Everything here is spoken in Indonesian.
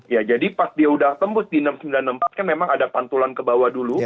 ya jadi pas dia udah tembus di enam ribu sembilan ratus empat kan memang ada pantulan ke bawah dulu